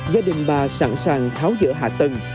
gia đình bà sẵn sàng tháo giữa hạ tầng